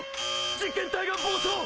実験体が暴走！